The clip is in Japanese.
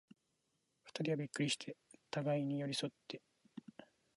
二人はびっくりして、互に寄り添って、